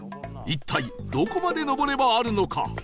一体どこまで上ればあるのか？